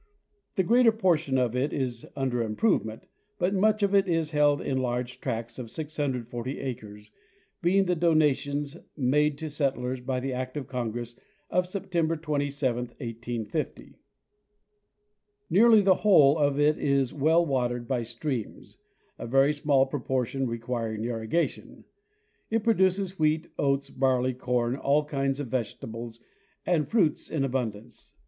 The greater portion of it is under improvement, but much of it is held in large tracts of 640 acres, being the donations made to settlers by the act of Congress of September 27,1850. Nearly the whole of it is well watered by streams, a very small propor tion requiring irrigation. It produces wheat, oats, barley, corn, all kinds of vegetables, and fruits in abundance.